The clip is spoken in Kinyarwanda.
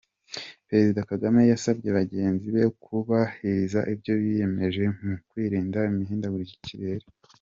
Perezida Kagame yasabye bagenzi be kubahiriza ibyo biyemeje mu kwirinda imihindagurikire y ‘ ikirere.